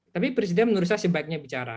tapi presiden menurut saya sebaiknya bicara